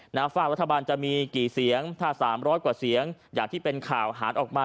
ฝากรัฐบาลจะมีกี่เสียงถ้าสามร้อยกว่าเสียงอย่างที่เป็นข่าวหารออกมา